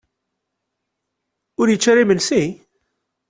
Ur yečči ara imensi?